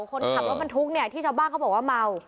คนขับรถบรรทุกที่เจ้าบ้างเขาบอกว่าเมา